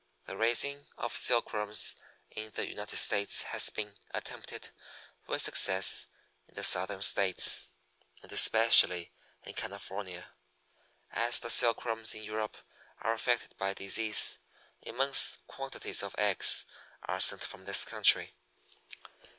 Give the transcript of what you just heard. The raising of Silkworms in the United States has been attempted with success in the Southern States, and especially in California. As the Silkworms in Europe are affected by disease, immense quantities of eggs are sent from this country.